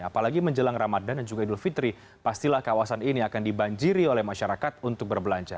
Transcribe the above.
apalagi menjelang ramadan dan juga idul fitri pastilah kawasan ini akan dibanjiri oleh masyarakat untuk berbelanja